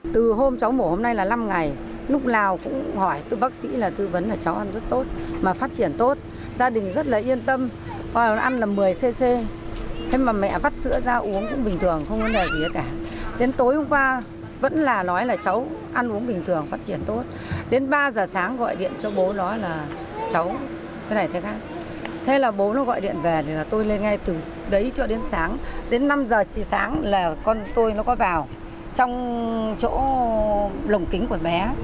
từ đấy cho đến sáng đến năm giờ sáng là con tôi nó có vào trong chỗ lồng kính của bé